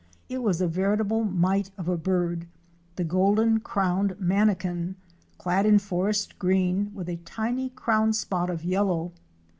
It was a veritable mite of a bird, the Golden crowned Mana kin *° clad in forest green with a tiny crown spot of yellow.